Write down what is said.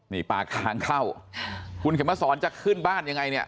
นี่ปากทางเข้าคุณเข็มมาสอนจะขึ้นบ้านยังไงเนี่ย